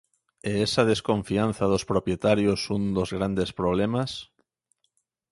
E esa desconfianza dos propietarios un dos grandes problemas?